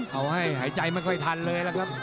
เอาให้หายใจไม่ค่อยทันเลยล่ะครับ